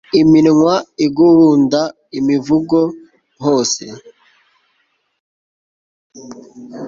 iminwa iguhundaimivugo hose